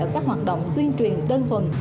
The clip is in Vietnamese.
ở các hoạt động tuyên truyền đơn phần